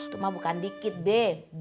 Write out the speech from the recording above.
itu mah bukan dikit beb